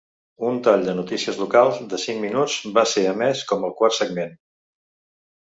Un tall de notícies locals de cinc minuts va ser emès com el quart segment.